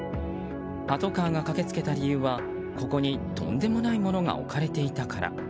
パトカーが駆け付けた理由はここに、とんでもないものが置かれていたから。